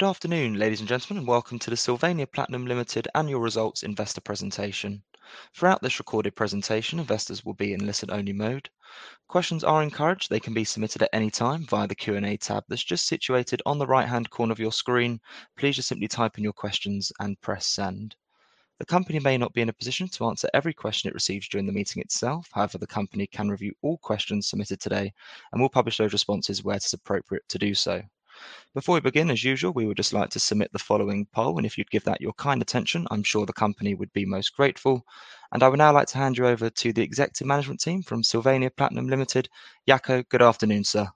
Good afternoon, ladies and gentlemen, and welcome to the Sylvania Platinum Limited Annual Results Investor Presentation. Throughout this recorded presentation, investors will be in listen-only mode. Questions are encouraged. They can be submitted at any time via the Q&A tab that's just situated on the right-hand corner of your screen. Please just simply type in your questions and press send. The company may not be in a position to answer every question it receives during the meeting itself. However, the company can review all questions submitted today and will publish those responses where it is appropriate to do so. Before we begin, as usual, we would just like to submit the following poll, and if you'd give that your kind attention, I'm sure the company would be most grateful. I would now like to hand you over to the executive management team from Sylvania Platinum Limited. Jaco, good afternoon, sir.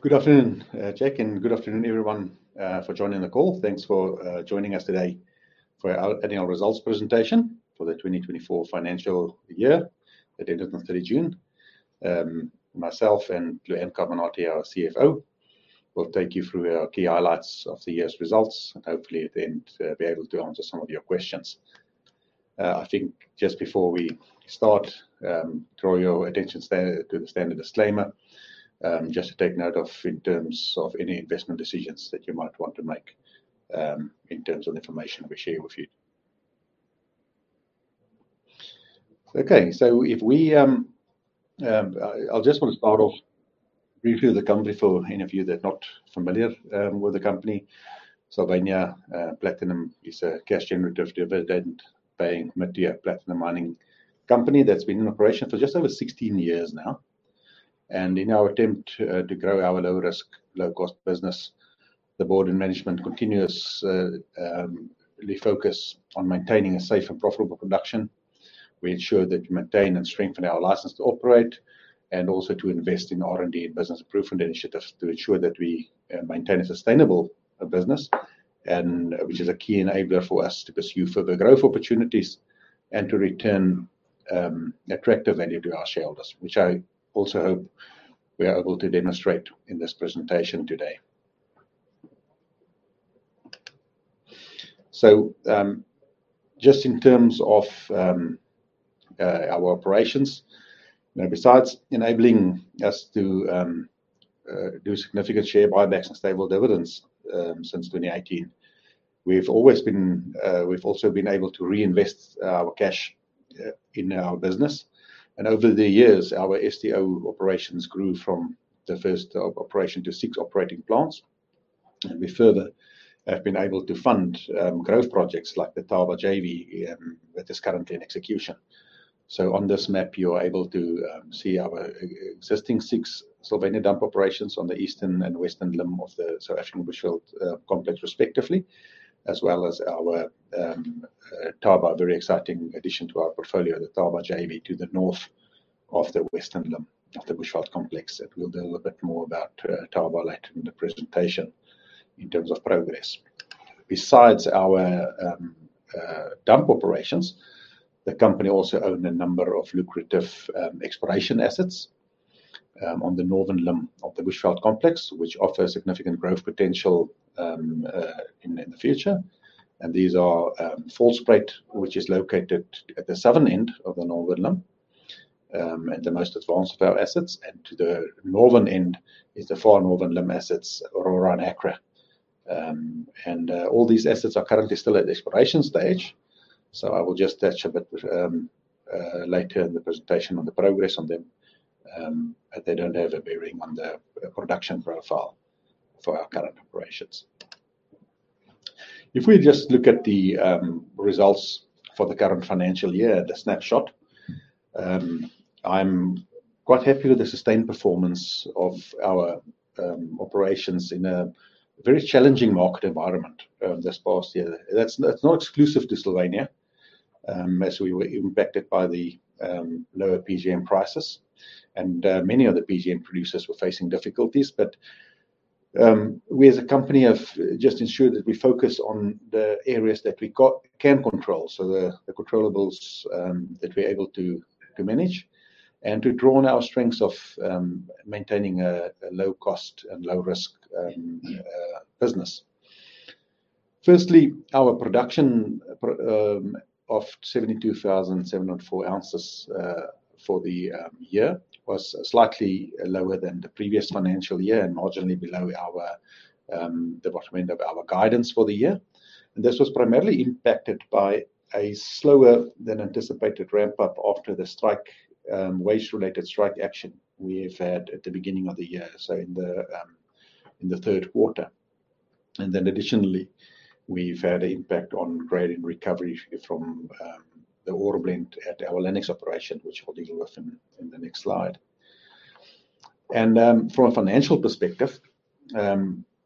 Good afternoon, Jaco, and good afternoon, everyone, for joining the call. Thanks for joining us today for our annual results presentation for the 2024 financial year that ended on 30 June. Myself and Lewanne Carminati, our CFO, will take you through our key highlights of the year's results and hopefully at the end be able to answer some of your questions. I think just before we start, draw your attention to the standard disclaimer, just to take note of in terms of any investment decisions that you might want to make in terms of information we share with you. Okay. I just want to start off by reviewing the company for any of you that are not familiar with the company. Sylvania Platinum is a cash generative, dividend-paying mid-tier platinum mining company that's been in operation for just over 16 years now. In our attempt to grow our low-risk, low-cost business, the board and management continuously focus on maintaining a safe and profitable production. We ensure that we maintain and strengthen our license to operate and also to invest in R&D and business improvement initiatives to ensure that we maintain a sustainable business, which is a key enabler for us to pursue further growth opportunities and to return attractive value to our shareholders, which I also hope we are able to demonstrate in this presentation today. Just in terms of our operations. Now, besides enabling us to do a significant share buybacks and stable dividends since 2018, we've also been able to reinvest our cash in our business. Over the years, our SDO operations grew from the first operation to six operating plants. We further have been able to fund growth projects like the Thaba JV that is currently in execution. On this map, you are able to see our existing six Sylvania Dump operations on the Eastern and Western limb of the South African Bushveld Complex, respectively, as well as our Thaba very exciting addition to our portfolio, the Thaba JV to the north of the Western Limb of the Bushveld Complex, that we'll deal a bit more about Thaba later in the presentation in terms of progress. Besides our dump operations, the company also own a number of lucrative exploration assets on the Northern Limb of the Bushveld Complex, which offer significant growth potential in the future. These are Volspruit, which is located at the southern end of the Northern Limb and the most advanced of our assets. To the northern end is the Far Northern Limb assets, Aurora and Hacra. All these assets are currently still at the exploration stage, so I will just touch a bit later in the presentation on the progress on them, but they don't have a bearing on the production profile for our current operations. If we just look at the results for the current financial year, the snapshot. I'm quite happy with the sustained performance of our operations in a very challenging market environment this past year. That's not exclusive to Sylvania, as we were impacted by the lower PGM prices, and many other PGM producers were facing difficulties. We as a company have just ensured that we focus on the areas that we can control. The controllables that we are able to manage and to draw on our strengths of maintaining a low-cost and low-risk business. Firstly, our production of 72,704 ounces for the year was slightly lower than the previous financial year and marginally below the bottom end of our guidance for the year. This was primarily impacted by a slower-than-anticipated ramp-up after the strike, wage-related strike action we've had at the beginning of the year. In the third quarter. Then additionally, we've had an impact on grade and recovery from the ore blend at our Lannex operation, which we'll deal with in the next slide. From a financial perspective,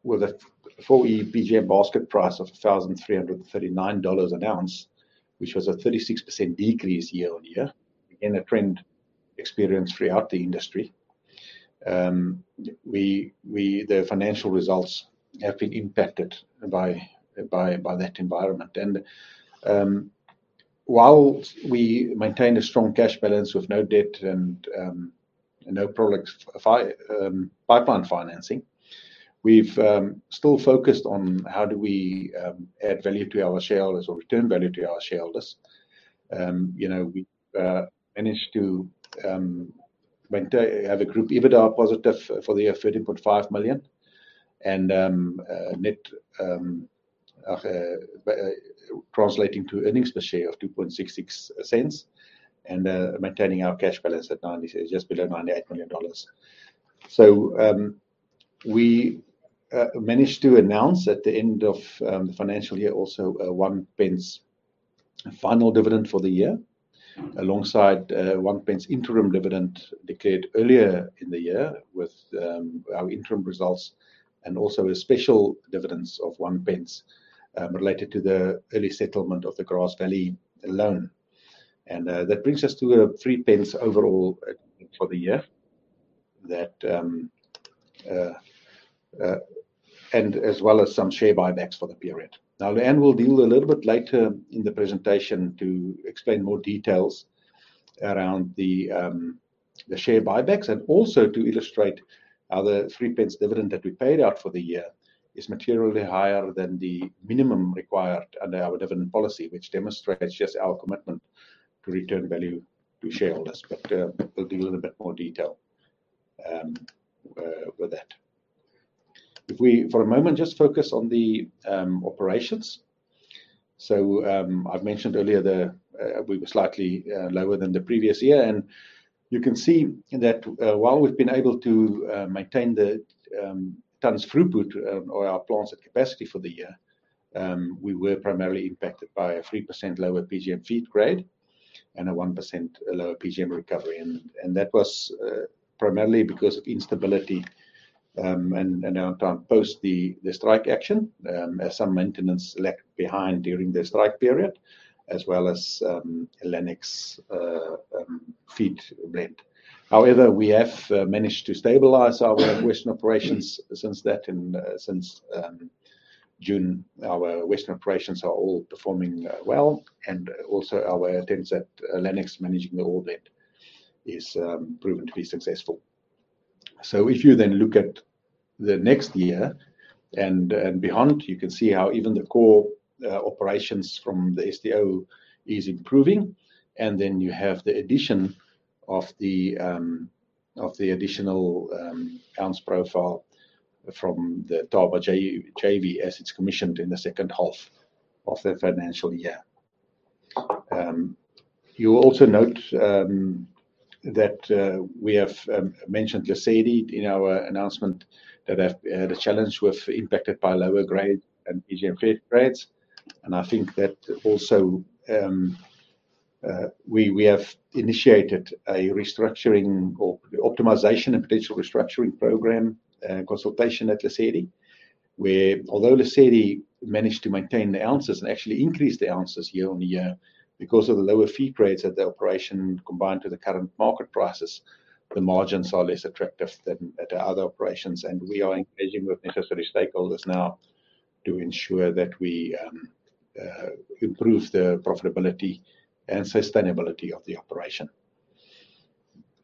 with a full year PGM basket price of $1,339 an ounce, which was a 36% decrease year-on-year, again, a trend experienced throughout the industry. The financial results have been impacted by that environment. While we maintain a strong cash balance with no debt and no product pipeline financing, we've still focused on how do we add value to our shareholders or return value to our shareholders. We managed to have a group EBITDA positive for the year, $13.5 million and translating to earnings per share of $0.0266 and maintaining our cash balance at just below $98 million. We managed to announce at the end of the financial year also a GBP 0.01 final dividend for the year, alongside 0.01 interim dividend declared earlier in the year with our interim results, and also a special dividend of 0.01, related to the early settlement of the Grasvally loan. That brings us to 0.03 overall for the year, as well as some share buybacks for the period. Lewanne will deal a little bit later in the presentation to explain more details around the share buybacks, and also to illustrate how the 0.03 dividend that we paid out for the year is materially higher than the minimum required under our dividend policy, which demonstrates just our commitment to return value to shareholders. We'll deal in a little bit more detail with that. If we, for a moment, just focus on the operations. I've mentioned earlier that we were slightly lower than the previous year, and you can see that while we've been able to maintain the tonnes throughput of our plants at capacity for the year, we were primarily impacted by a 3% lower PGM feed grade and a 1% lower PGM recovery. That was primarily because of instability and downtime post the strike action. Some maintenance lagged behind during the strike period as well as Lannex feed blend. However, we have managed to stabilize our Western operations since then. Since June, our Western operations are all performing well and also our attempts at Lannex managing the ore blend is proven to be successful. If you then look at the next year and beyond, you can see how even the core operations from the SDO is improving, and then you have the addition of the additional ounce profile from the Thaba JV as it's commissioned in the second half of the financial year. You will also note that we have mentioned Lesedi in our announcement that the challenge was impacted by lower grade and PGM feed grades. I think that also, we have initiated a restructuring or optimization and potential restructuring program consultation at Lesedi, where although Lesedi managed to maintain the ounces and actually increased the ounces year-on-year, because of the lower feed grades at the operation combined with the current market prices, the margins are less attractive than at our other operations, and we are engaging with necessary stakeholders now to ensure that we improve the profitability and sustainability of the operation.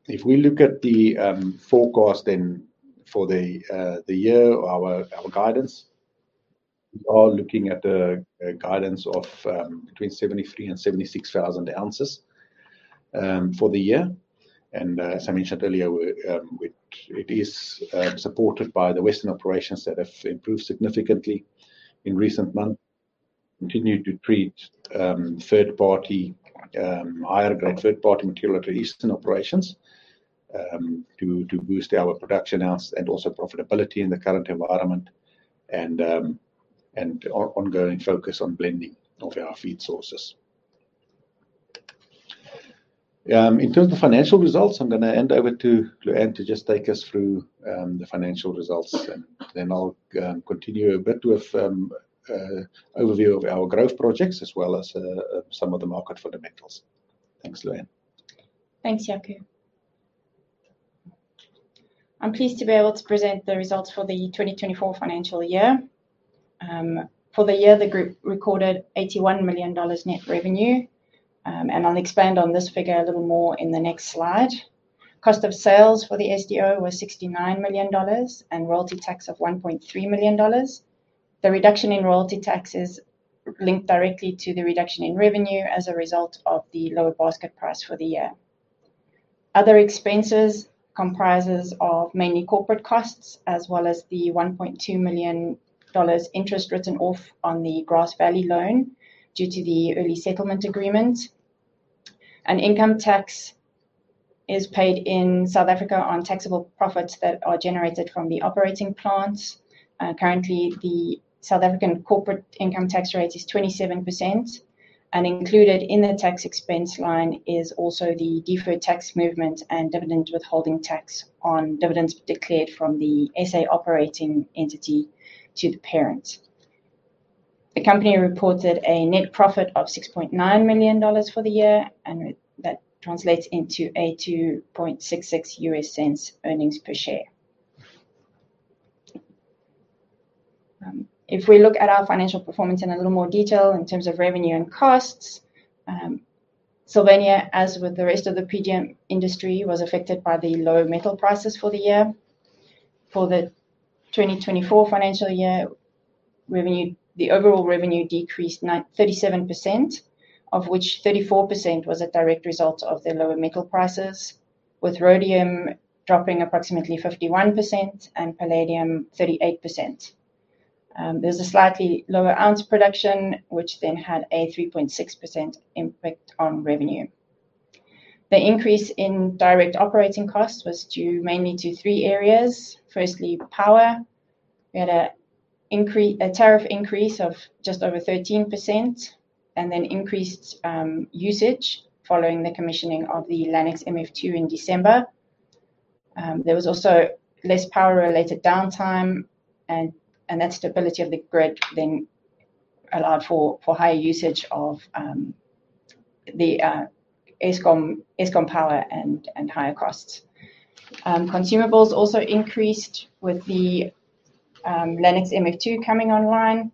If we look at the forecast then for the year, our guidance, we are looking at a guidance of between 73,000 and 76,000 ounces for the year. As I mentioned earlier, it is supported by the Western operations that have improved significantly in recent months. continued to treat higher-grade third-party material at the Eastern operations to boost our production ounce and also profitability in the current environment and our ongoing focus on blending of our feed sources. In terms of financial results, I'm going to hand over to Lewanne to just take us through the financial results, and then I'll continue a bit with overview of our growth projects as well as some of the market fundamentals. Thanks, Lewanne. Thanks, Jaco. I'm pleased to be able to present the results for the 2024 financial year. For the year, the group recorded $81 million net revenue. I'll expand on this figure a little more in the next slide. Cost of sales for the SDO was $69 million and royalty tax of $1.3 million. The reduction in royalty taxes linked directly to the reduction in revenue as a result of the lower basket price for the year. Other expenses comprises of mainly corporate costs, as well as the $1.2 million interest written off on the Grasvally loan due to the early settlement agreement. Income tax is paid in South Africa on taxable profits that are generated from the operating plants. Currently, the South African corporate income tax rate is 27%. Included in the tax expense line is also the deferred tax movement and dividend withholding tax on dividends declared from the SA operating entity to the parent. The company reported a net profit of $6.9 million for the year, and that translates into $0.0266 earnings per share. If we look at our financial performance in a little more detail in terms of revenue and costs. Sylvania, as with the rest of the PGM industry, was affected by the low metal prices for the year. For the 2024 financial year, the overall revenue decreased 37%, of which 34% was a direct result of the lower metal prices, with rhodium dropping approximately 51% and palladium 38%. There is a slightly lower ounce production, which then had a 3.6% impact on revenue. The increase in direct operating costs was due mainly to three areas. Firstly, power. We had a tariff increase of just over 13% and then increased usage following the commissioning of the Lannex MF2 in December. There was also less power-related downtime, and that stability of the grid then allowed for higher usage of the Eskom power and higher costs. Consumables also increased with the Lannex MF2 coming online.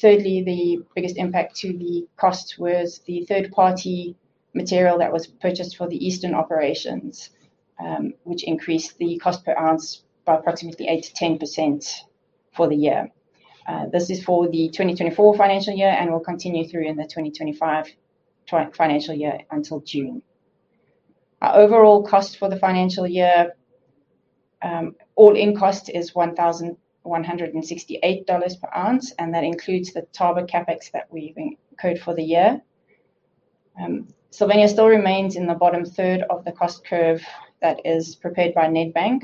Thirdly, the biggest impact to the cost was the third-party material that was purchased for the Eastern operations, which increased the cost per ounce by approximately 8%-10% for the year. This is for the 2024 financial year and will continue through in the 2025 financial year until June. Our overall cost for the financial year, all-in cost is $1,168 per ounce, and that includes the Thaba CapEx that we incurred for the year. Sylvania still remains in the bottom third of the cost curve that is prepared by Nedbank.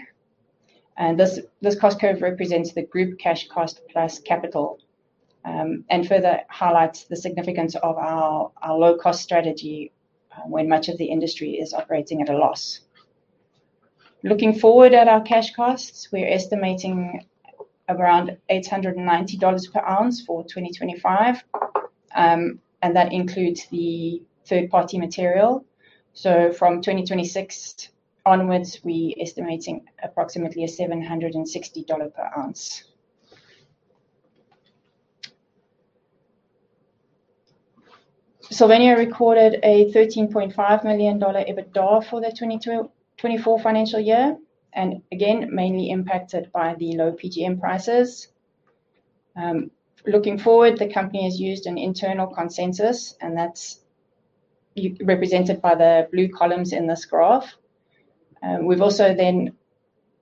This cost curve represents the group cash cost plus capital, and further highlights the significance of our low-cost strategy when much of the industry is operating at a loss. Looking forward at our cash costs, we're estimating around $890 per ounce for 2025, and that includes the third-party material. From 2026 onwards, we're estimating approximately a $760 per ounce. Sylvania recorded a $13.5 million EBITDA for the 2024 financial year, and again, mainly impacted by the low PGM prices. Looking forward, the company has used an internal consensus, and that's represented by the blue columns in this graph. We've also then,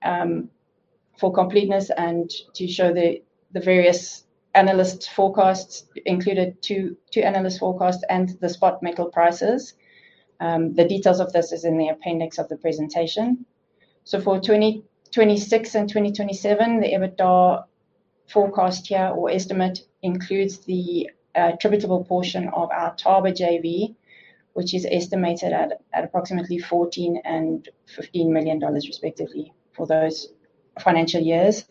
for completeness and to show the various analyst forecasts, included two analyst forecasts and the spot metal prices. The details of this is in the appendix of the presentation. For 2026 and 2027, the EBITDA forecast here or estimate includes the attributable portion of our Thaba JV, which is estimated at approximately $14 and $15 million respectively for those financial years.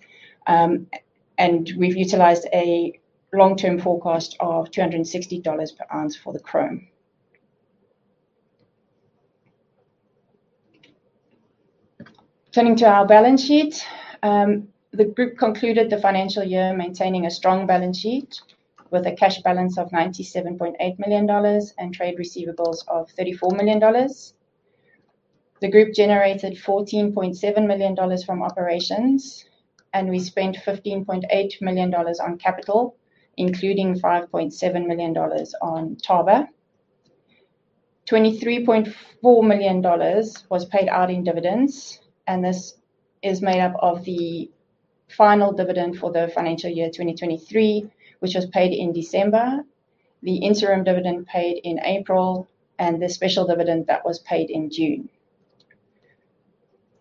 We've utilized a long-term forecast of $260 per ounce for the chrome. Turning to our balance sheet. The group concluded the financial year maintaining a strong balance sheet with a cash balance of $97.8 million and trade receivables of $34 million. The group generated $14.7 million from operations, and we spent $15.8 million on capital, including $5.7 million on Thaba. $23.4 million was paid out in dividends, and this is made up of the final dividend for the financial year 2023, which was paid in December, the interim dividend paid in April, and the special dividend that was paid in June.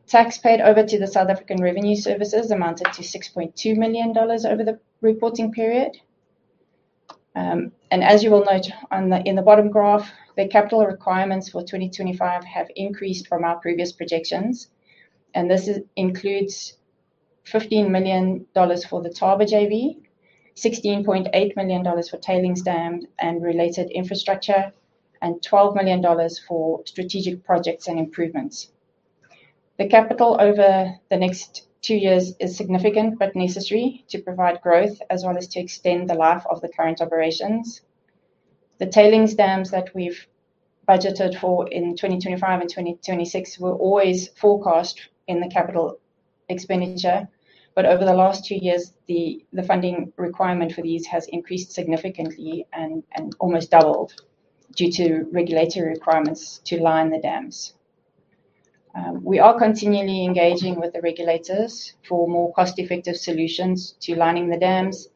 Tax paid over to the South African Revenue Service amounted to $6.2 million over the reporting period. As you will note in the bottom graph, the capital requirements for 2025 have increased from our previous projections, and this includes $15 million for the Thaba JV, $16.8 million for tailings dam and related infrastructure, and $12 million for strategic projects and improvements. The capital over the next two years is significant but necessary to provide growth as well as to extend the life of the current operations. The tailings dams that we've budgeted for in 2025 and 2026 were always forecast in the capital expenditure, but over the last two years, the funding requirement for these has increased significantly and almost doubled due to regulatory requirements to line the dams. We are continually engaging with the regulators for more cost-effective solutions to lining the dams,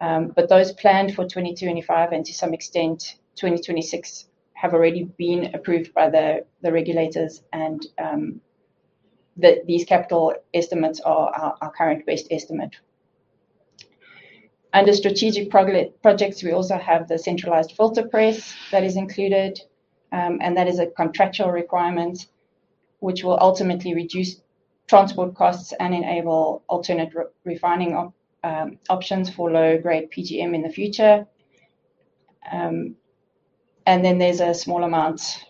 but those planned for 2025 and to some extent 2026 have already been approved by the regulators, and these capital estimates are our current best estimate. Under strategic projects, we also have the centralized filter press that is included, and that is a contractual requirement, which will ultimately reduce transport costs and enable alternate refining options for low-grade PGM in the future. Then there's a small amount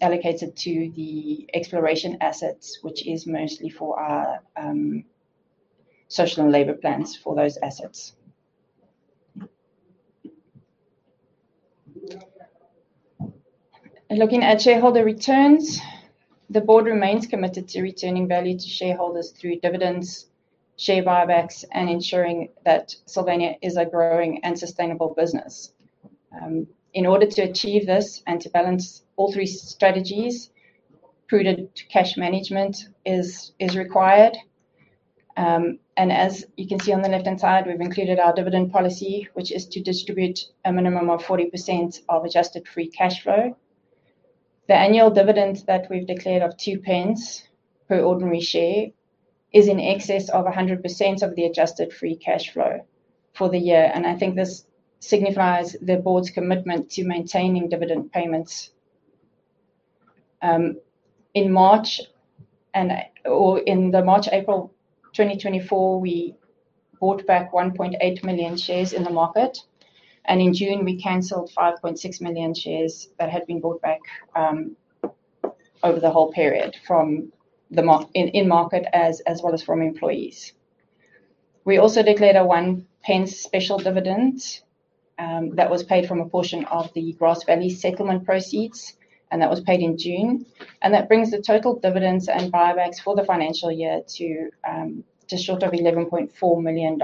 allocated to the exploration assets, which is mostly for our Social and Labor Plans for those assets. Looking at shareholder returns, the board remains committed to returning value to shareholders through dividends, share buybacks, and ensuring that Sylvania is a growing and sustainable business. In order to achieve this and to balance all three strategies, prudent cash management is required. As you can see on the left-hand side, we've included our dividend policy, which is to distribute a minimum of 40% of adjusted free cash flow. The annual dividend that we've declared of two pence per ordinary share is in excess of 100% of the adjusted free cash flow for the year, and I think this signifies the board's commitment to maintaining dividend payments. In March and April 2024, we bought back 1.8 million shares in the market, and in June we canceled 5.6 million shares that had been bought back over the whole period in market as well as from employees. We also declared a one pence special dividend that was paid from a portion of the Grasvally settlement proceeds, and that was paid in June. That brings the total dividends and buybacks for the financial year to just short of $11.4 million,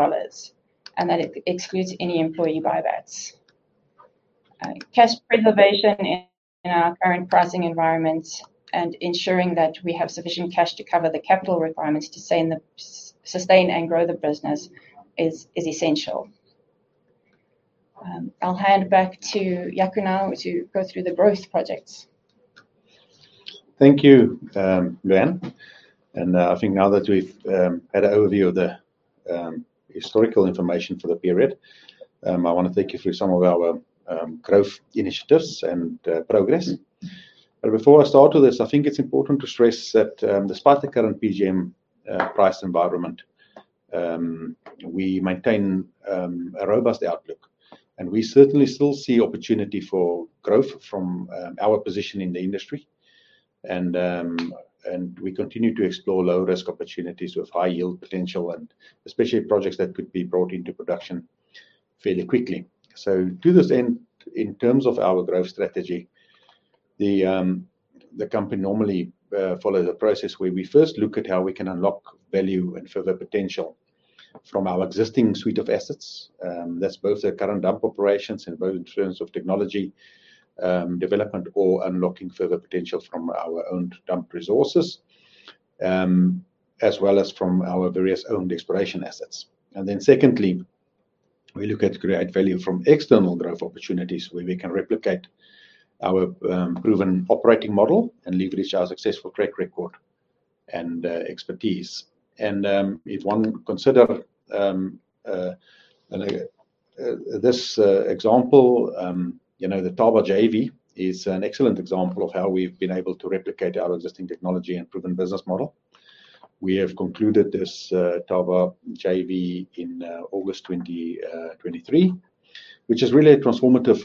and that excludes any employee buybacks. Cash preservation in our current pricing environment and ensuring that we have sufficient cash to cover the capital requirements to sustain and grow the business is essential. I'll hand back to Jaco now to go through the growth projects. Thank you, Lewanne. I think now that we've had an overview of the historical information for the period, I want to take you through some of our growth initiatives and progress. Before I start with this, I think it's important to stress that despite the current PGM price environment, we maintain a robust outlook, and we certainly still see opportunity for growth from our position in the industry. We continue to explore low-risk opportunities with high yield potential, and especially projects that could be brought into production fairly quickly. To this end, in terms of our growth strategy, the company normally follows a process where we first look at how we can unlock value and further potential from our existing suite of assets. That's both the current dump operations in both terms of technology development or unlocking further potential from our own dump resources, as well as from our various owned exploration assets. Secondly, we look to create value from external growth opportunities where we can replicate our proven operating model and leverage our successful track record and expertise. If one considers this example, the Thaba JV is an excellent example of how we've been able to replicate our existing technology and proven business model. We have concluded this Thaba JV in August 2023, which is really a transformative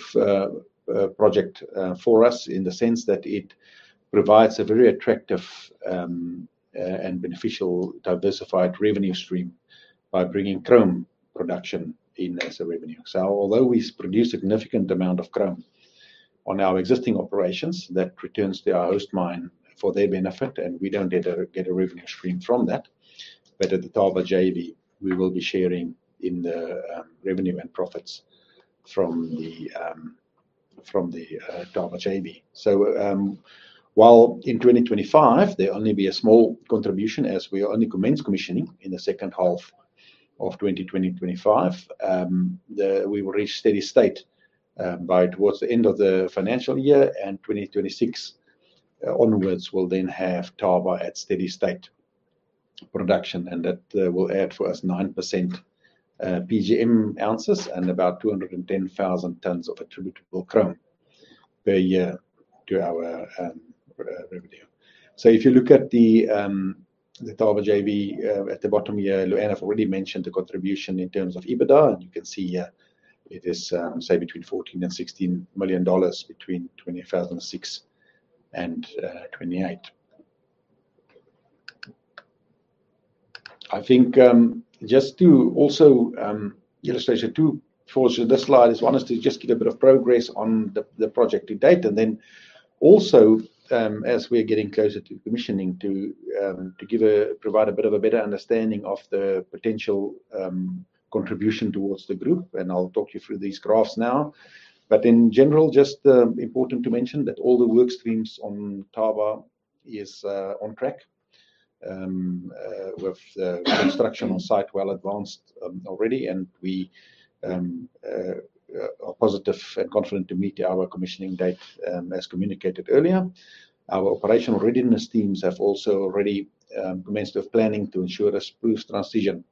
project for us in the sense that it provides a very attractive and beneficial diversified revenue stream by bringing chrome production in as a revenue. Although we produce significant amount of chrome on our existing operations, that returns to our host mine for their benefit, and we don't get a revenue stream from that. At the Thaba JV, we will be sharing in the revenue and profits from the Thaba JV. While in 2025 there'll only be a small contribution, as we only commence commissioning in the second half of 2025. We will reach steady state by towards the end of the financial year, and 2026 onwards, we'll then have Thaba at steady state production, and that will add for us 9% PGM ounces and about 210,000 tons of attributable chrome per year to our revenue. If you look at the Thaba JV at the bottom here, Lewanne has already mentioned the contribution in terms of EBITDA, and you can see here it is, say between $14-$16 million between 2006 and 2028. I think, just to also illustrate or to focus this slide is we want to just give a bit of progress on the project to date. Then also, as we're getting closer to commissioning to provide a bit of a better understanding of the potential contribution towards the group, and I'll talk you through these graphs now. In general, just important to mention that all the work streams on Thaba is on track, with the construction on site well advanced already, and we are positive and confident to meet our commissioning date, as communicated earlier. Our operational readiness teams have also already commenced with planning to ensure a smooth transition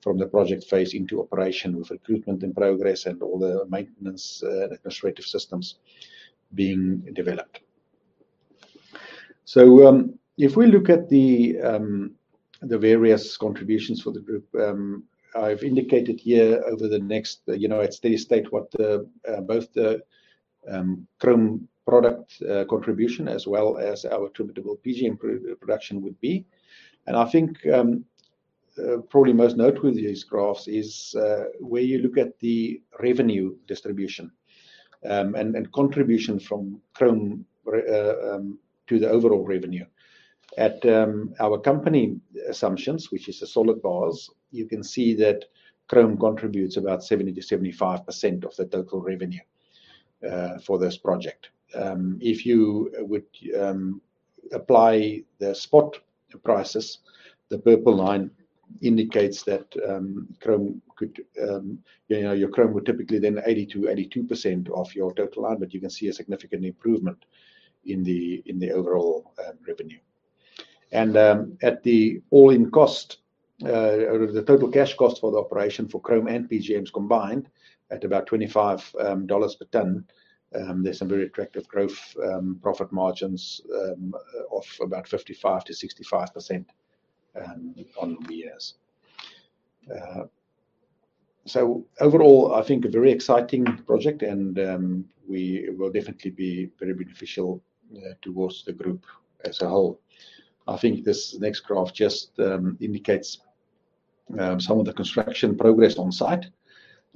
from the project phase into operation, with recruitment in progress and all the maintenance and administrative systems being developed. If we look at the various contributions for the group, I've indicated here at steady state what both the chrome product contribution as well as our attributable PGM production would be. Probably most noteworthy of these graphs is where you look at the revenue distribution and contribution from chrome to the overall revenue. At our company assumptions, which is the solid bars, you can see that chrome contributes about 70%-75% of the total revenue for this project. If you would apply the spot prices, the purple line indicates that your chrome would typically then 80%-82% of your total line, but you can see a significant improvement in the overall revenue. At the all-in cost or the total cash cost for the operation for chrome and PGMs combined at about $25 per ton, there's some very attractive gross profit margins of about 55%-65% over the years. Overall, I think a very exciting project and will definitely be very beneficial towards the group as a whole. I think this next graph just indicates some of the construction progress on-site.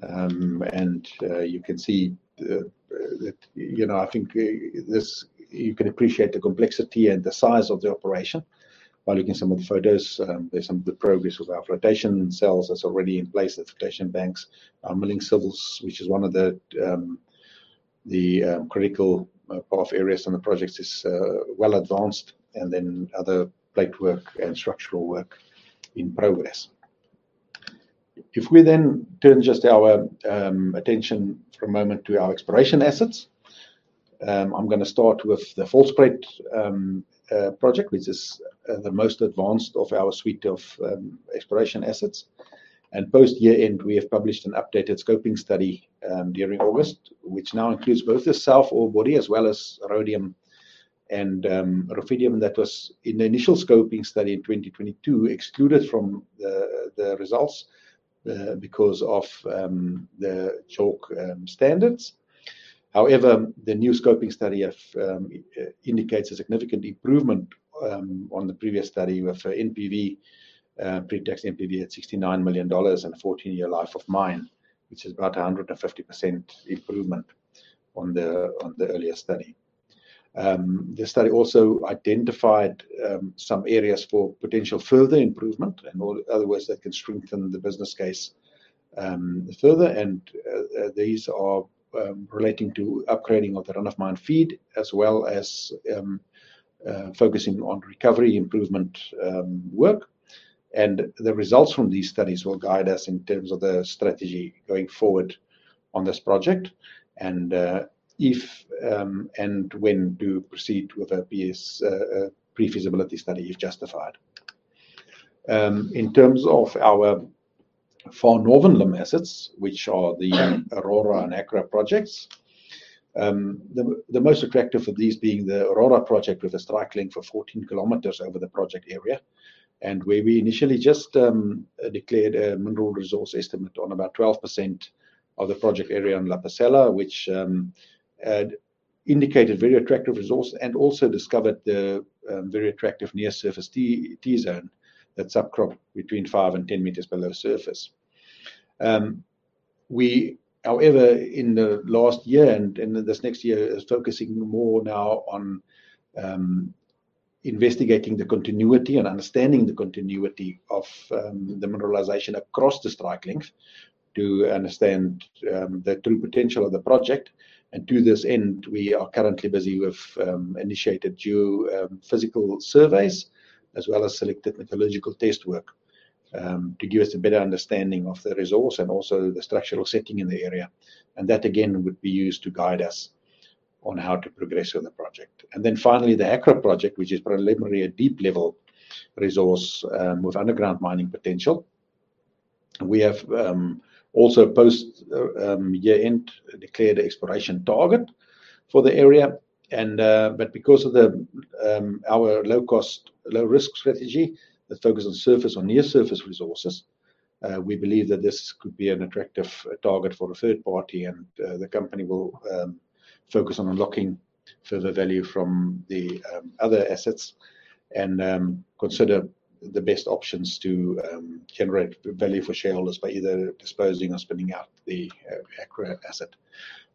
You can see, I think you can appreciate the complexity and the size of the operation by looking some of the photos. There's some of the progress with our flotation cells that's already in place, the flotation banks. Our milling civils, which is one of the critical path areas on the project, is well advanced, and other plate work and structural work in progress. If we then turn just our attention for a moment to our exploration assets. I'm going to start with the Volspruit project, which is the most advanced of our suite of exploration assets. Post-year-end, we have published an updated scoping study during August, which now includes both the sulfide ore body as well as rhodium and ruthenium that was in the initial scoping study in 2022, excluded from the results because of the JORC standards. However, the new scoping study indicates a significant improvement on the previous study with NPV, pre-tax NPV at $69 million and 14-year life of mine, which is about 150% improvement on the earlier study. The study also identified some areas for potential further improvement, in other words, that can strengthen the business case further and these are relating to upgrading of the run of mine feed as well as focusing on recovery improvement work. The results from these studies will guide us in terms of the strategy going forward on this project and if and when to proceed with a PFS pre-feasibility study if justified. In terms of our Far Northern Limb assets, which are the Aurora and Hacra projects. The most attractive of these being the Aurora project with a strike length of 14 km over the project area, and where we initially just declared a mineral resource estimate on about 12% of the project area on La Pucella, which had indicated very attractive resource and also discovered the very attractive near surface T zone that's outcrop between five and 10 m below surface. We, however, in the last year and this next year is focusing more now on investigating the continuity and understanding the continuity of the mineralization across the strike length to understand the true potential of the project. To this end, we are currently busy with initiated geophysical surveys as well as selected metallurgical test work, to give us a better understanding of the resource and also the structural setting in the area. That again, would be used to guide us on how to progress on the project. Finally, the Hacra project, which is preliminarily a deep-level resource with underground mining potential. We have also post-year-end declared exploration target for the area but because of our low cost, low risk strategy that focus on surface or near surface resources, we believe that this could be an attractive target for a third party and the company will focus on unlocking further value from the other assets and consider the best options to generate value for shareholders by either disposing or spinning out the Hacra asset.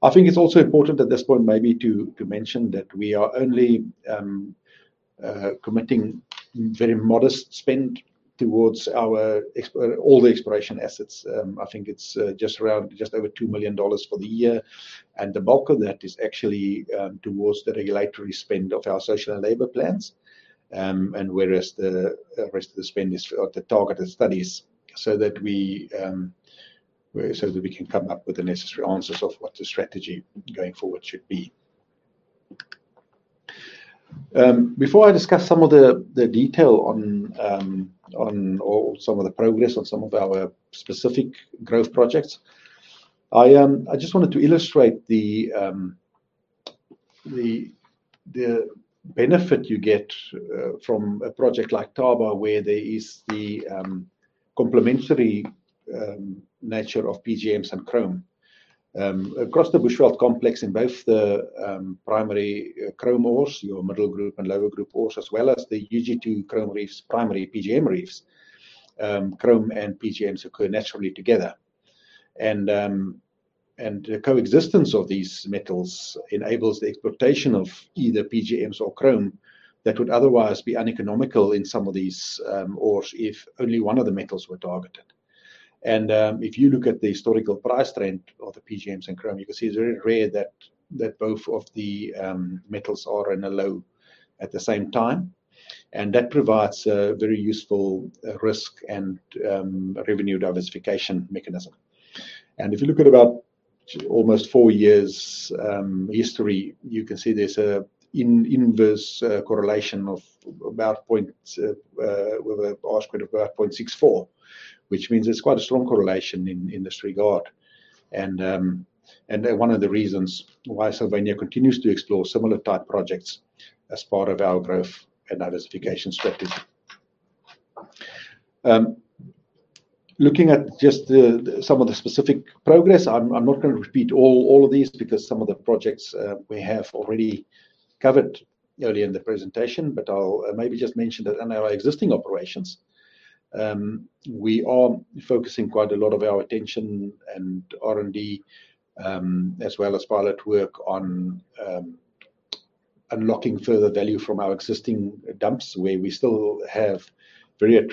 I think it's also important at this point maybe to mention that we are only committing very modest spend towards all the exploration assets. I think it's just over $2 million for the year, and the bulk of that is actually towards the regulatory spend of our Social and Labour Plans. Whereas the rest of the spend is the targeted studies, so that we can come up with the necessary answers of what the strategy going forward should be. Before I discuss some of the detail on the progress on some of our specific growth projects, I just wanted to illustrate the benefit you get from a project like Thaba where there is the complementary nature of PGMs and chrome. Across the Bushveld Complex in both the primary chrome ores, the Middle Group and Lower Group ores, as well as the UG2 chrome reefs, primary PGM reefs, chrome and PGMs occur naturally together. The coexistence of these metals enables the exploitation of either PGMs or chrome that would otherwise be uneconomical in some of these ores if only one of the metals were targeted. If you look at the historical price trend of the PGMs and chrome, you can see it's very rare that both of the metals are in a low at the same time. That provides a very useful risk and revenue diversification mechanism. If you look at about almost four years history, you can see there's an inverse correlation with a R-squared of about 0.64, which means it's quite a strong correlation in this regard. One of the reasons why Sylvania continues to explore similar type projects as part of our growth and diversification strategy. Eastern Limb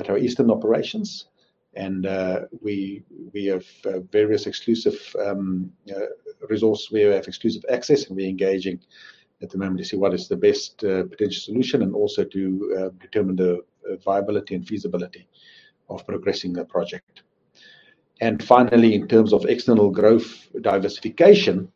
at our eastern operations. We have various exclusive resources where we have exclusive access, and we're engaging at the moment to see what is the best potential solution and also to determine the viability and feasibility of progressing the project. Finally, in terms of external growth diversification,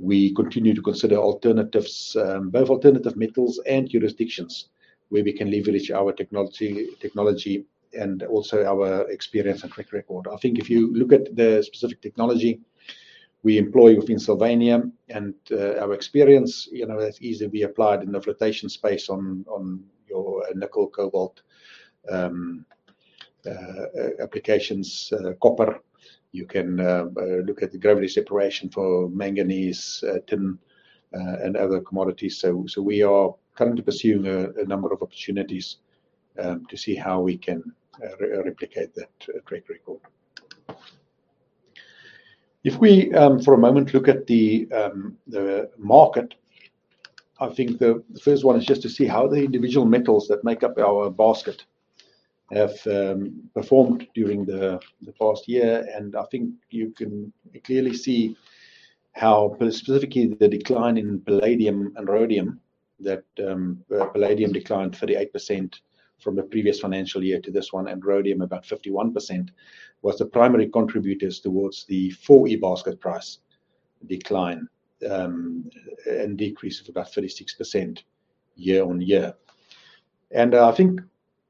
we continue to consider both alternative metals and jurisdictions where we can leverage our technology and also our experience and track record. I think if you look at the specific technology we employ within Sylvania and our experience, that's easy to be applied in the flotation space on your nickel, cobalt applications, copper. You can look at the gravity separation for manganese, tin, and other commodities. We are currently pursuing a number of opportunities to see how we can replicate that track record. If we for a moment look at the market, I think the first one is just to see how the individual metals that make up our basket have performed during the past year. I think you can clearly see how specifically the decline in palladium and rhodium, that where palladium declined 38% from the previous financial year to this one, and rhodium about 51%, was the primary contributors towards the 4E basket price decline, and decrease of about 36% year-over-year. I think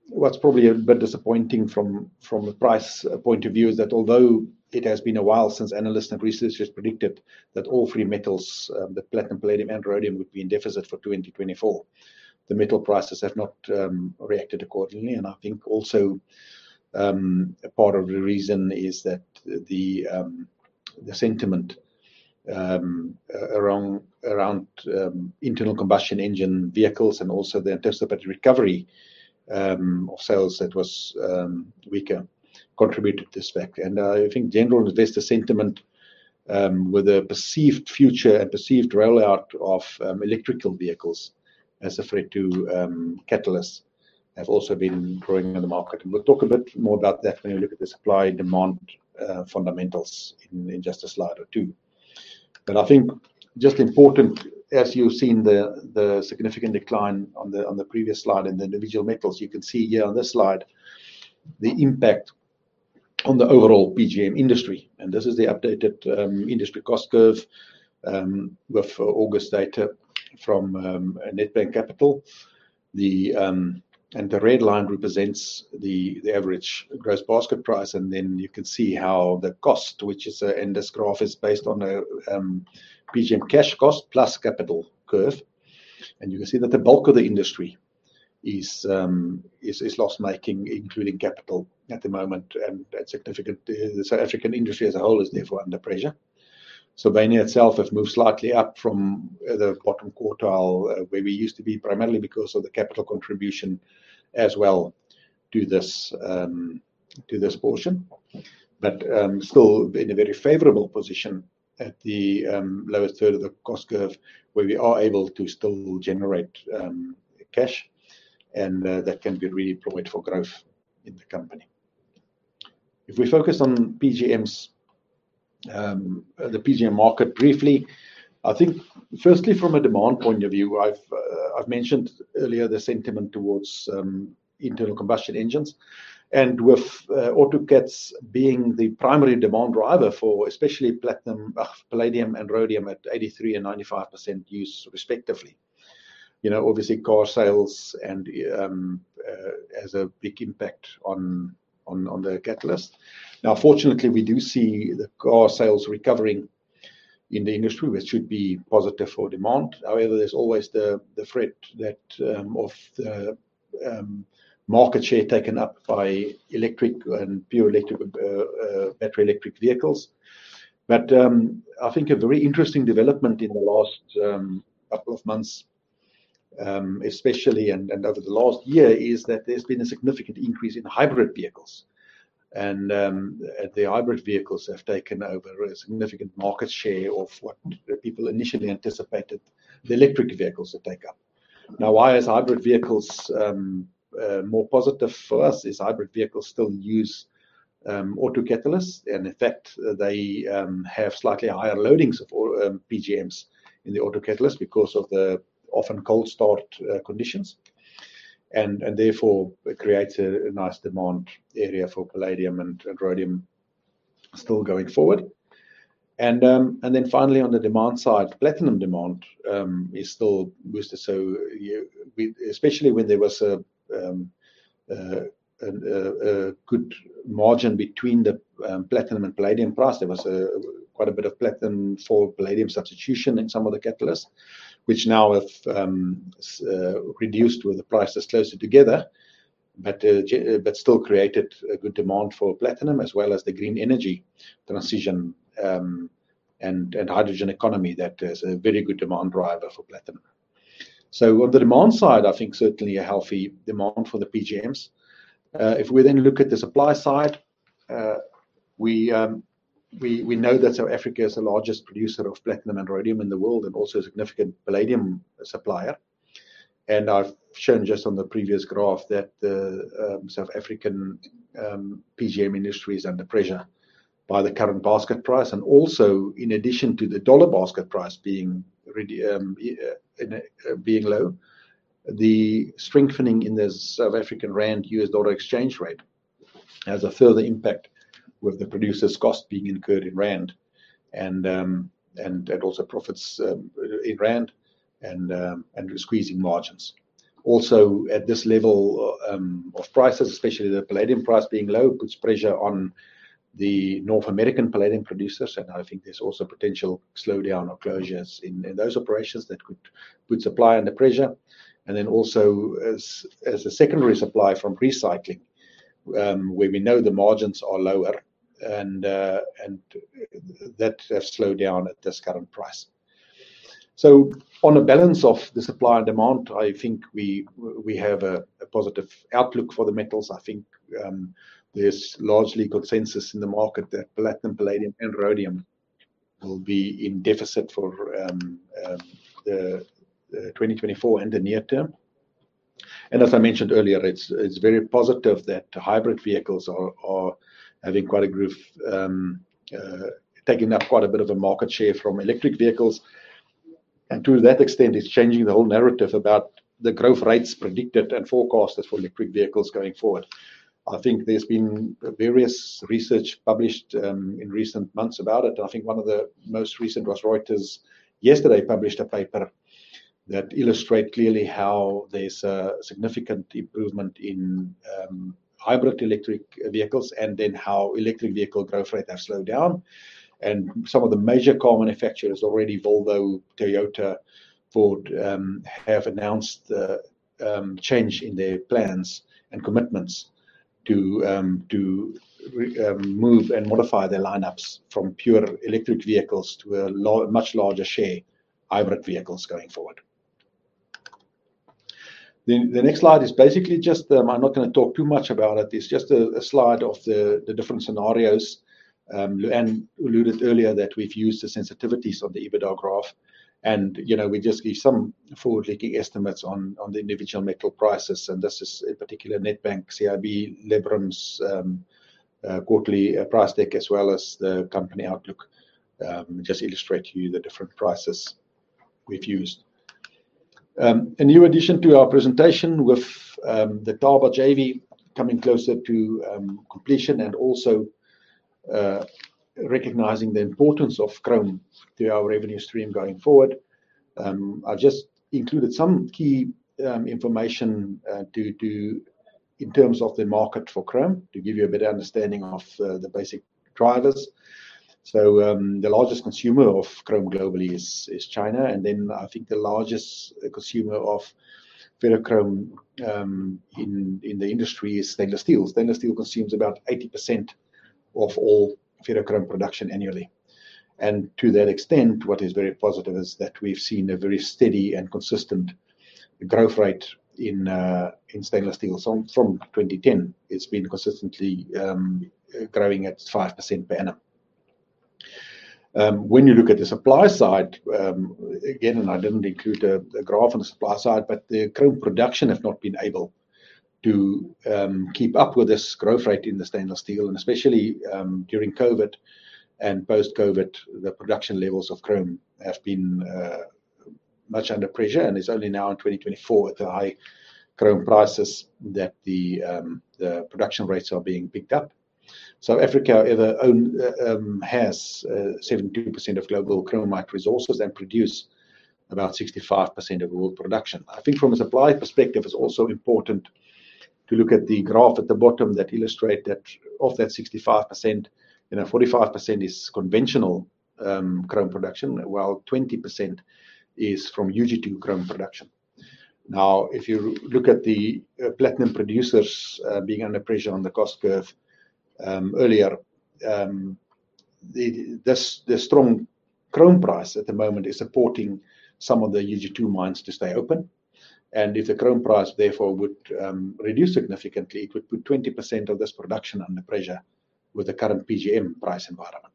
what's probably a bit disappointing from the price point of view is that although it has been a while since analysts and researchers predicted that all three metals, the platinum, palladium, and rhodium, would be in deficit for 2024, the metal prices have not reacted accordingly. I think also part of the reason is that the sentiment around internal combustion engine vehicles and also the anticipated recovery of sales that was weaker contributed to this fact. I think general investor sentiment with a perceived future and perceived rollout of electric vehicles as a threat to catalysts have also been growing in the market. We'll talk a bit more about that when we look at the supply-demand fundamentals in just a slide or two. I think just important, as you've seen the significant decline on the previous slide in the individual metals, you can see here on this slide the impact on the overall PGM industry, and this is the updated industry cost curve with August data from Nedbank Capital. The red line represents the average gross basket price, and then you can see how the cost, which in this graph is based on a PGM cash cost plus capital curve. You can see that the bulk of the industry is loss-making, including capital at the moment, and that's significant. The South African industry as a whole is therefore under pressure. Sylvania itself has moved slightly up from the bottom quartile where we used to be, primarily because of the capital contribution as well to this portion. Still in a very favorable position at the lower third of the cost curve, where we are able to still generate cash, and that can be redeployed for growth in the company. If we focus on the PGM market briefly, I think firstly from a demand point of view I've mentioned earlier the sentiment towards internal combustion engines and with autocatalysts being the primary demand driver for especially platinum, palladium, and rhodium at 83% and 95% use respectively. Obviously car sales has a big impact on the catalyst. Now fortunately, we do see the car sales recovering in the industry, which should be positive for demand. However, there's always the threat of the market share taken up by electric and pure battery electric vehicles. I think a very interesting development in the last couple of months, especially, and over the last year, is that there's been a significant increase in hybrid vehicles. The hybrid vehicles have taken over a significant market share of what people initially anticipated the electric vehicles to take up. Now, why is hybrid vehicles more positive for us is hybrid vehicles still use autocatalysts. In effect, they have slightly higher loadings of PGMs in the autocatalyst because of the often cold start conditions. Therefore, it creates a nice demand area for palladium and rhodium still going forward. Then finally on the demand side, platinum demand is still boosted. Especially when there was a good margin between the platinum and palladium price, there was quite a bit of platinum for palladium substitution in some of the catalysts, which now have reduced with the prices closer together. Still created a good demand for platinum as well as the green energy transition, and hydrogen economy that is a very good demand driver for platinum. On the demand side, I think certainly a healthy demand for the PGMs. If we then look at the supply side, we know that South Africa is the largest producer of platinum and rhodium in the world, and also a significant palladium supplier. I've shown just on the previous graph that the South African PGM industry is under pressure by the current basket price. In addition to the dollar basket price being low, the strengthening in the South African rand-US dollar exchange rate has a further impact with the producer's cost being incurred in rand, and also profits in rand and squeezing margins. Also at this level of prices, especially the palladium price being low, puts pressure on the North American palladium producers. I think there's also potential slowdown or closures in those operations that could put supply under pressure. Then also as a secondary supply from recycling, where we know the margins are lower and that have slowed down at this current price. On a balance of the supply and demand, I think we have a positive outlook for the metals. I think there's largely consensus in the market that platinum, palladium, and rhodium will be in deficit for the 2024 and the near term. As I mentioned earlier, it's very positive that hybrid vehicles are taking up quite a bit of the market share from electric vehicles. To that extent, it's changing the whole narrative about the growth rates predicted and forecasted for electric vehicles going forward. I think there's been various research published in recent months about it, and I think one of the most recent was Reuters yesterday published a paper that illustrate clearly how there's a significant improvement in hybrid electric vehicles and then how electric vehicle growth rate has slowed down. Some of the major car manufacturers already, Volvo, Toyota, Ford, have announced the change in their plans and commitments to move and modify their lineups from pure electric vehicles to a much larger share of hybrid vehicles going forward. The next slide is basically just, I'm not going to talk too much about it. It's just a slide of the different scenarios. We alluded earlier that we've used the sensitivities of the EBITDA graph. We just give some forward-looking estimates on the individual metal prices, and this is in particular Nedbank CIB, Liberum's quarterly price deck as well as the company outlook. Just to illustrate to you the different prices we've used. A new addition to our presentation with the Thaba JV coming closer to completion and also recognizing the importance of chrome to our revenue stream going forward. I've just included some key information in terms of the market for chrome to give you a better understanding of the basic drivers. The largest consumer of chrome globally is China. Then I think the largest consumer of ferrochrome in the industry is stainless steel. Stainless steel consumes about 80% of all ferrochrome production annually. To that extent, what is very positive is that we've seen a very steady and consistent growth rate in stainless steel from 2010. It's been consistently growing at 5% per annum. When you look at the supply side, again, and I didn't include the graph on the supply side, but the chrome production have not been able to keep up with this growth rate in the stainless steel and especially during COVID and post-COVID, the production levels of chrome have been much under pressure and is only now in 2024 with the high chrome prices that the production rates are being picked up. Africa has 72% of global chromite resources and produce about 65% of world production. I think from a supply perspective, it's also important to look at the graph at the bottom that illustrate that of that 65%, 45% is conventional chrome production, while 20% is from UG2 chrome production. Now, if you look at the platinum producers being under pressure on the cost curve earlier, the strong chrome price at the moment is supporting some of the UG2 mines to stay open. If the chrome price therefore would reduce significantly, it would put 20% of this production under pressure with the current PGM price environment.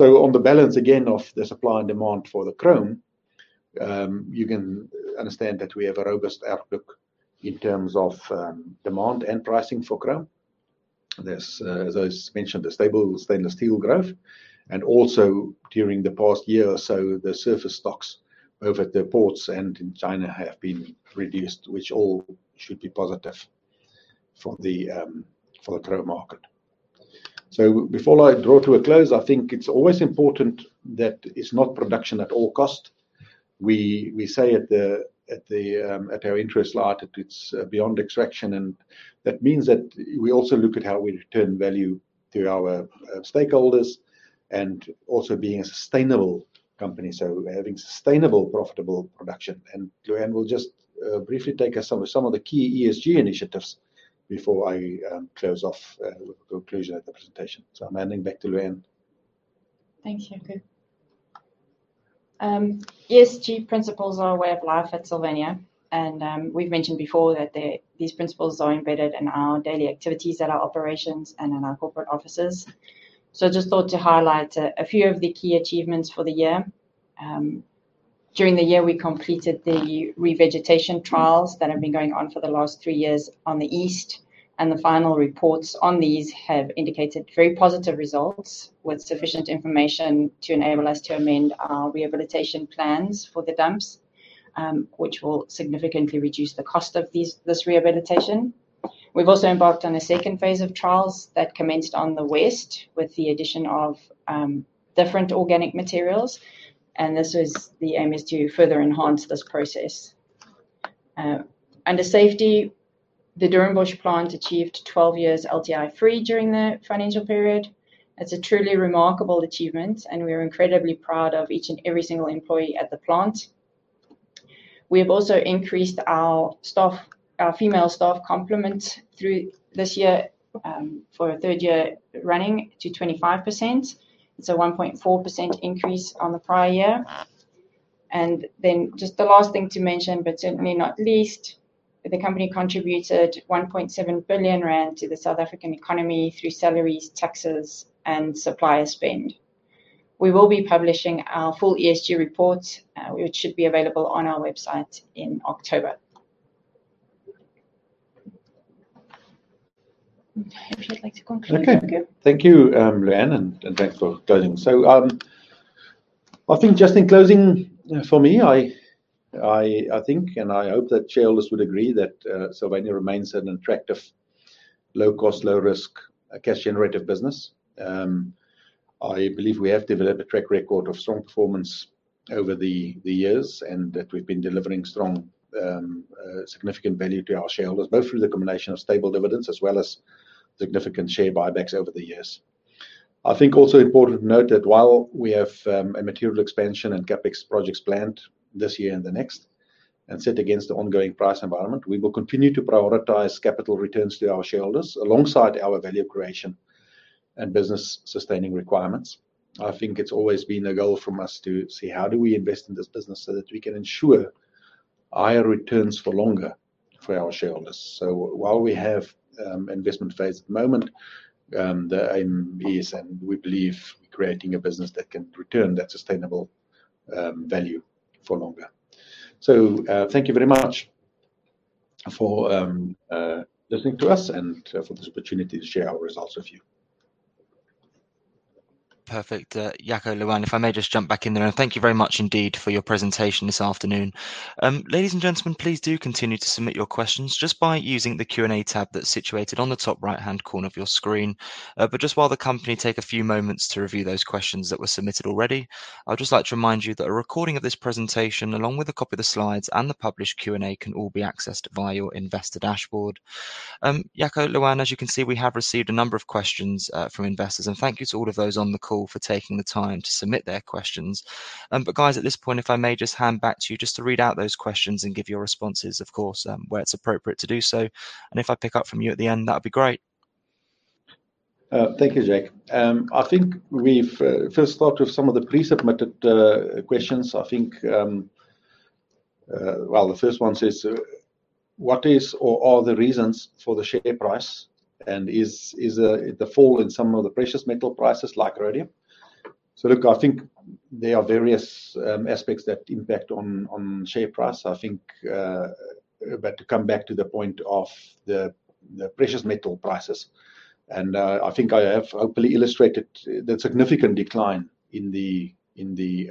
On the balance again of the supply and demand for the chrome, you can understand that we have a robust outlook in terms of demand and pricing for chrome. There's, as I mentioned, a stable stainless steel growth and also during the past year or so, the surface stocks over at the ports and in China have been reduced, which all should be positive for the chrome market. Before I draw to a close, I think it's always important that it's not production at all costs. We say at Sylvania, it's beyond extraction, and that means that we also look at how we return value to our stakeholders and also being a sustainable company. Having sustainable, profitable production. Lewanne will just briefly take us through some of the key ESG initiatives before I close off with the conclusion of the presentation. I'm handing back to Lewanne. Thank you, Jaco. ESG principles are a way of life at Sylvania, and we've mentioned before that these principles are embedded in our daily activities at our operations and in our corporate offices. I just thought to highlight a few of the key achievements for the year. During the year, we completed the revegetation trials that have been going on for the last three years on the east, and the final reports on these have indicated very positive results with sufficient information to enable us to amend our rehabilitation plans for the dumps, which will significantly reduce the cost of this rehabilitation. We've also embarked on a second phase of trials that commenced on the west with the addition of different organic materials, and the aim is to further enhance this process. Under safety, the Doornbosch plant achieved 12 years LTI-free during the financial period. It's a truly remarkable achievement, and we're incredibly proud of each and every single employee at the plant. We have also increased our female staff complement through this year, for a third year running to 25%. It's a 1.4% increase on the prior year. Then just the last thing to mention, but certainly not least, the company contributed 1.7 billion rand to the South African economy through salaries, taxes and supplier spend. We will be publishing our full ESG report, which should be available on our website in October. If you'd like to conclude, Jaco. Okay. Thank you, Lewanne, and thanks for closing. I think just in closing for me, I think, and I hope that shareholders would agree that Sylvania remains an attractive, low-cost, low-risk, cash-generative business. I believe we have developed a track record of strong performance over the years, and that we've been delivering strong, significant value to our shareholders, both through the combination of stable dividends as well as significant share buybacks over the years. I think also important to note that while we have a material expansion and CapEx projects planned this year and the next, and set against the ongoing price environment, we will continue to prioritize capital returns to our shareholders alongside our value creation and business-sustaining requirements. I think it's always been a goal from us to see how do we invest in this business so that we can ensure higher returns for longer for our shareholders. While we have investment phase at the moment, the aim is, and we believe, creating a business that can return that sustainable value for longer. Thank you very much for listening to us and for this opportunity to share our results with you. Perfect. Jaco, Lewanne, if I may just jump back in there, and thank you very much indeed for your presentation this afternoon. Ladies and gentlemen, please do continue to submit your questions just by using the Q&A tab that's situated on the top right-hand corner of your screen. Just while the company take a few moments to review those questions that were submitted already, I'd just like to remind you that a recording of this presentation, along with a copy of the slides and the published Q&A, can all be accessed via your investor dashboard. Jaco, Lewanne, as you can see, we have received a number of questions from investors, and thank you to all of those on the call for taking the time to submit their questions. Guys, at this point, if I may just hand back to you just to read out those questions and give your responses, of course, where it's appropriate to do so. If I pick up from you at the end, that'd be great. Thank you, Jaco. I think we first start with some of the pre-submitted questions. I think, well, the first one says, "What is or are the reasons for the share price, and is the fall in some of the precious metal prices like iridium?" Look, I think there are various aspects that impact on share price. I think to come back to the point of the precious metal prices, I think I have hopefully illustrated the significant decline in the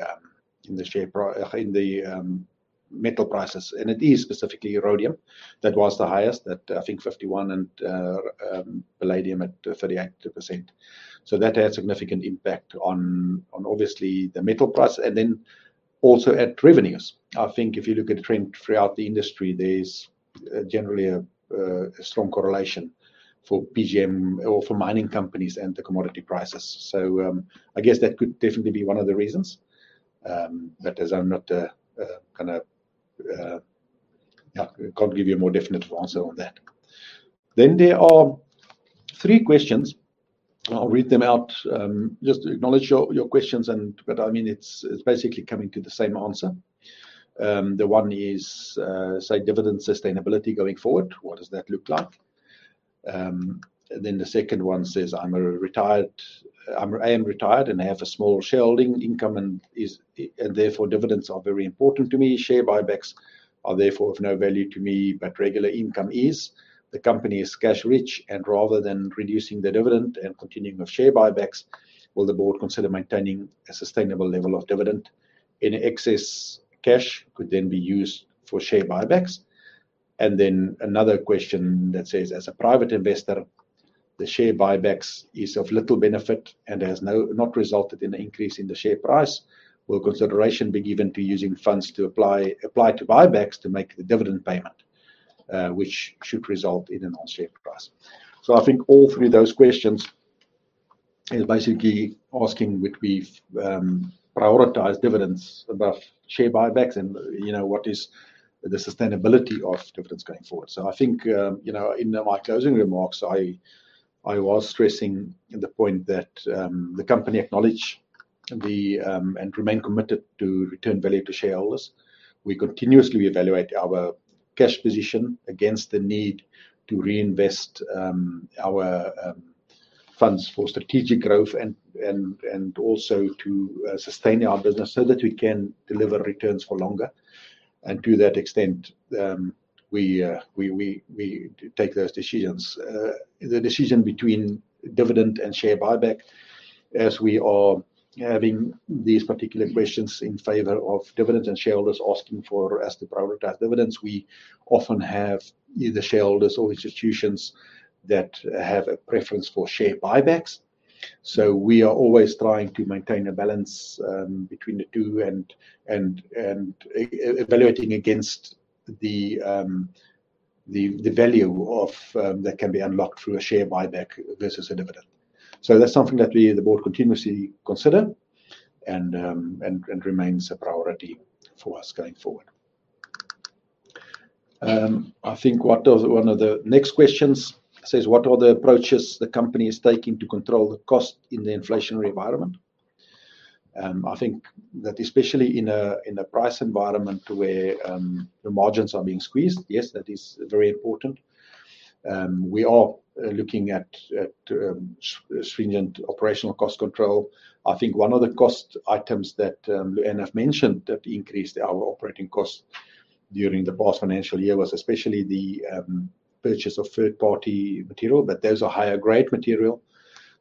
share price and in the metal prices. It is specifically rhodium that was the highest, at I think 51%, and palladium at 38%. That had a significant impact on obviously the metal price and then also on revenues. I think if you look at the trend throughout the industry, there's generally a strong correlation for PGM or for mining companies and the commodity prices. I guess that could definitely be one of the reasons. I can't give you a more definite answer on that. There are three questions. I'll read them out, just to acknowledge your questions, but it's basically coming to the same answer. The one is, say, dividend sustainability going forward, what does that look like? The second one says, "I am retired, and I have a small shareholding income and therefore dividends are very important to me. Share buybacks are therefore of no value to me, but regular income is. The company is cash rich, and rather than reducing the dividend and continuing with share buybacks, will the board consider maintaining a sustainable level of dividend? Any excess cash could then be used for share buybacks. Then another question that says: "As a private investor, the share buybacks is of little benefit and has not resulted in an increase in the share price. Will consideration be given to using funds applied to buybacks to make the dividend payment, which should result in an increase in share price?" I think all three of those questions is basically asking would we prioritize dividends above share buybacks and what is the sustainability of dividends going forward. I think, in my closing remarks, I was stressing the point that the company acknowledge and remain committed to return value to shareholders. We continuously evaluate our cash position against the need to reinvest our funds for strategic growth and also to sustain our business so that we can deliver returns for longer. To that extent, we take those decisions. The decision between dividend and share buyback, as we are having these particular questions in favor of dividends and shareholders asking for us to prioritize dividends, we often have either shareholders or institutions that have a preference for share buybacks. We are always trying to maintain a balance between the two and evaluating against the value that can be unlocked through a share buyback versus a dividend. That's something that the board continuously consider and remains a priority for us going forward. I think one of the next questions says, "What are the approaches the company is taking to control the cost in the inflationary environment?" I think that especially in a price environment where the margins are being squeezed, yes, that is very important. We are looking at stringent operational cost control. I think one of the cost items that Lewanne have mentioned that increased our operating cost during the past financial year was especially the purchase of third-party material, but that's a higher grade material.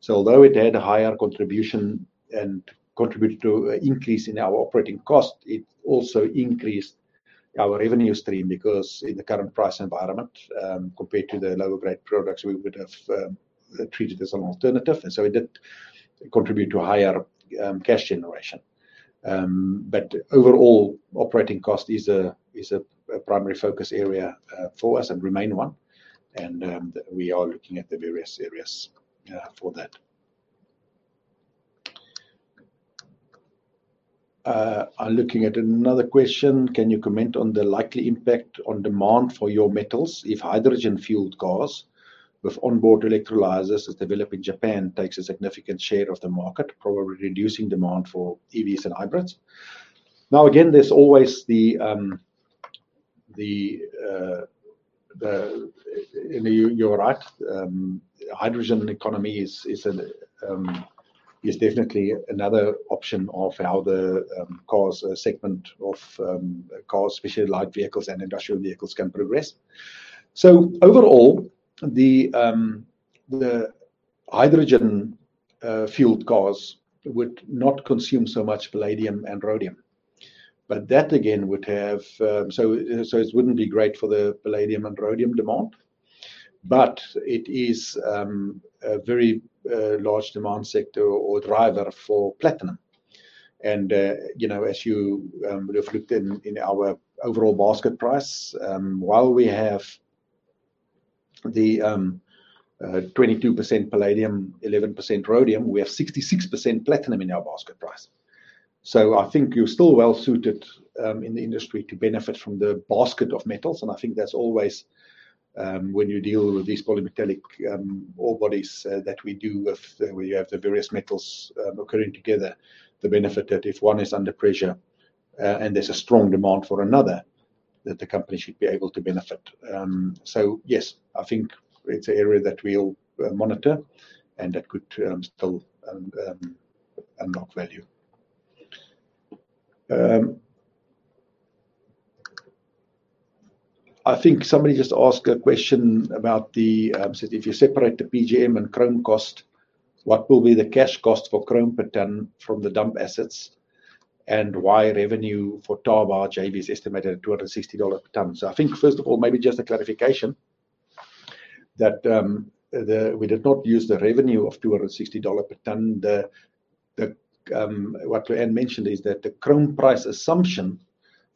Although it had a higher contribution and contributed to an increase in our operating cost, it also increased our revenue stream because in the current price environment, compared to the lower grade products we would have treated as an alternative, and so it did contribute to higher cash generation. Overall operating cost is a primary focus area for us and remain one. We are looking at the various areas for that. I'm looking at another question. Can you comment on the likely impact on demand for your metals if hydrogen-fueled cars with onboard electrolyzers is developed in Japan takes a significant share of the market, probably reducing demand for EVs and hybrids?" Now again, you're right, hydrogen economy is definitely another option of how the cars segment of cars, especially light vehicles and industrial vehicles, can progress. Overall, the hydrogen-fueled cars would not consume so much palladium and rhodium. It wouldn't be great for the palladium and rhodium demand, but it is a very large demand sector or driver for platinum. As you would have looked in our overall basket price, while we have the 22% palladium, 11% rhodium, we have 66% platinum in our basket price. I think you're still well-suited in the industry to benefit from the basket of metals, and I think that's always, when you deal with these polymetallic ore bodies that we do, where you have the various metals occurring together, the benefit that if one is under pressure and there's a strong demand for another, that the company should be able to benefit. Yes, I think it's an area that we'll monitor and that could still unlock value. I think somebody just asked a question about if you separate the PGM and chrome cost, what will be the cash cost for chrome per ton from the dump assets, and why revenue for Thaba JV is estimated at $260 per ton? I think first of all, maybe just a clarification that we did not use the revenue of $260 per ton. What Lewanne mentioned is that the chrome price assumption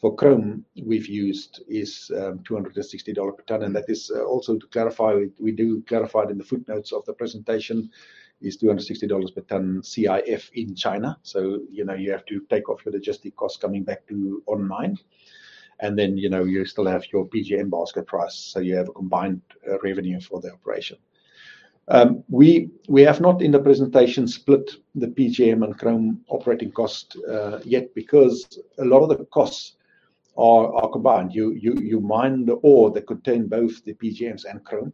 for chrome we've used is $260 per ton. That is also to clarify, we do clarify it in the footnotes of the presentation, is $260 per ton CIF in China. You have to take off your logistic costs coming back to on mine. You still have your PGM basket price, so you have a combined revenue for the operation. We have not, in the presentation, split the PGM and chrome operating cost yet because a lot of the costs are combined. You mine the ore that contain both the PGMs and chrome,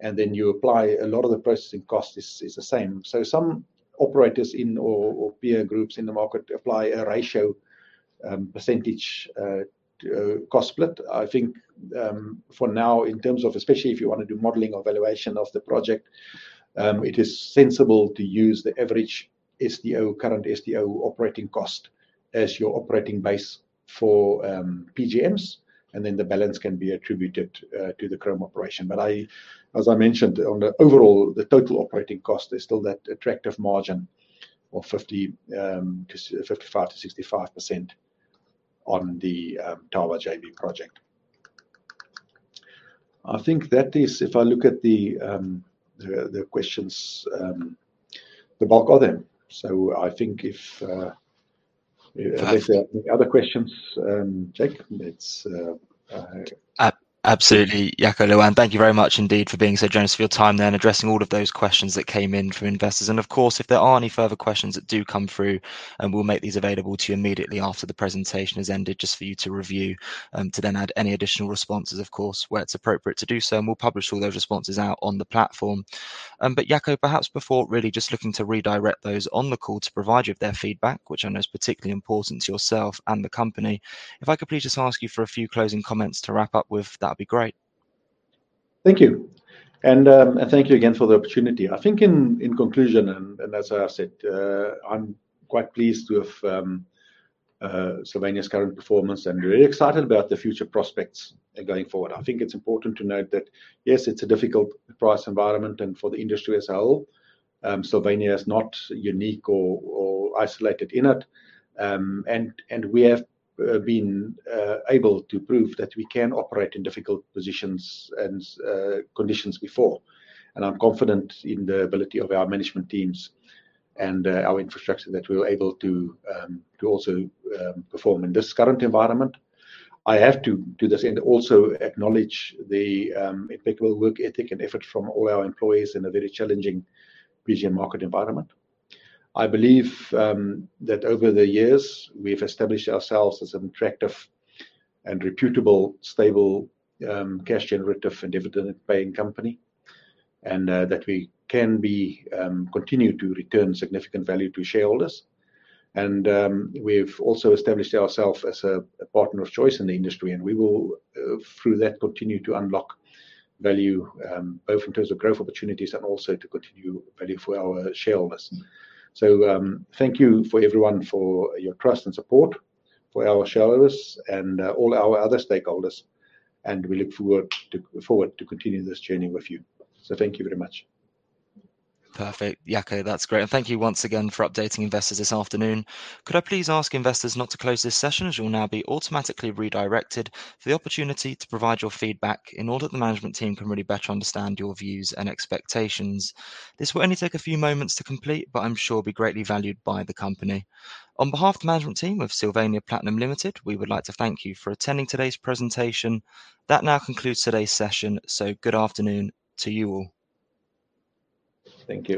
and then you apply a lot of the processing cost is the same. Some operators or peer groups in the market apply a ratio percentage cost split. I think for now, in terms of, especially if you want to do modeling or valuation of the project, it is sensible to use the average SDO, current SDO operating cost as your operating base for PGMs, and then the balance can be attributed to the chrome operation. As I mentioned, on the overall, the total operating cost is still that attractive margin of 55%-65% on the Thaba JV project. I think that is, if I look at the questions, the bulk of them. I think if- Perfect... other questions, Jaco. Absolutely. Jaco, Lewanne, thank you very much indeed for being so generous for your time there and addressing all of those questions that came in from investors. Of course, if there are any further questions that do come through, we'll make these available to you immediately after the presentation has ended, just for you to review, to then add any additional responses, of course, where it's appropriate to do so. We'll publish all those responses out on the platform. Jaco, perhaps before really just looking to redirect those on the call to provide you with their feedback, which I know is particularly important to yourself and the company, if I could please just ask you for a few closing comments to wrap up with, that'd be great. Thank you. Thank you again for the opportunity. I think in conclusion, and as I said, I'm quite pleased with Sylvania's current performance and really excited about the future prospects going forward. I think it's important to note that, yes, it's a difficult price environment and for the industry as a whole, Sylvania is not unique or isolated in it. We have been able to prove that we can operate in difficult positions and conditions before. I'm confident in the ability of our management teams and our infrastructure that we're able to also perform in this current environment. I have to do this and also acknowledge the impeccable work ethic and effort from all our employees in a very challenging PGM market environment. I believe that over the years, we've established ourselves as an attractive and reputable, stable, cash generative, and dividend-paying company, and that we can continue to return significant value to shareholders. We've also established ourselves as a partner of choice in the industry, and we will, through that, continue to unlock value, both in terms of growth opportunities and also to continue value for our shareholders. Thank you to everyone for your trust and support, for our shareholders and all our other stakeholders, and we look forward to continue this journey with you. Thank you very much. Perfect. Jaco, that's great. Thank you once again for updating investors this afternoon. Could I please ask investors not to close this session as you'll now be automatically redirected for the opportunity to provide your feedback in order that the management team can really better understand your views and expectations. This will only take a few moments to complete, but I'm sure will be greatly valued by the company. On behalf of the management team of Sylvania Platinum Limited, we would like to thank you for attending today's presentation. That now concludes today's session, so good afternoon to you all. Thank you.